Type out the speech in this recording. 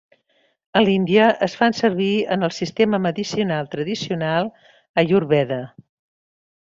A l'Índia es fan servir en el sistema medicinal tradicional ayurveda.